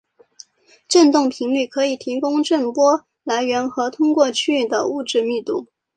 振动频率可以提供震波来源和通过区域的物质密度。